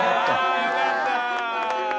よかったー！